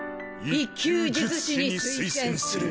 １級術師に推薦する。